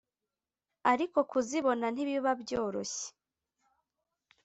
ariko kuzibona ntibiba byoroshye